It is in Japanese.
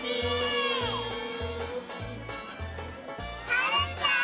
はるちゃん！